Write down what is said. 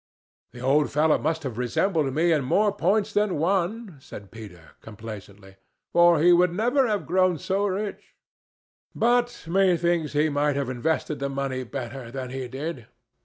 "The old fellow must have resembled me in more points than one," said Peter, complacently, "or he never would have grown so rich. But methinks he might have invested the money better than he did.